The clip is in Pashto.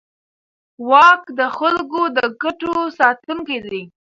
واک د خلکو د ګټو ساتونکی دی.